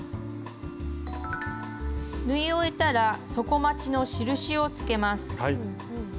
縫い終えたら底まちの印をつけます。